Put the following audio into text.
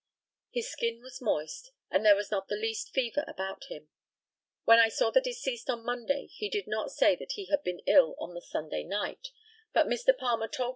His skin was moist, and there was not the least fever about him. When I saw the deceased on Monday he did not say that he had been ill on the Sunday night, but Mr. Palmer told me he had been ill.